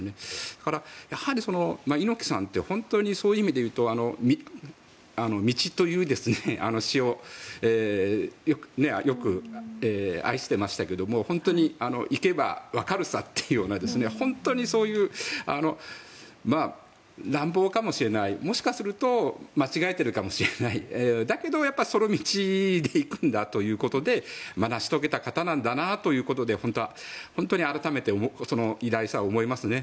だから、やはり猪木さんって本当にそういう意味でいうと「道」という詩をよく愛してましたけども本当に行けばわかるさというような本当にそういう乱暴かもしれないもしかすると間違えているかもしれないだけどその道で行くんだということで成し遂げた方なんだなということで、本当に改めてその偉大さを思いますね。